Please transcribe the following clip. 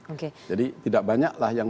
oke jadi tidak banyak lah yang